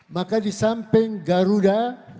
maka disamping garuda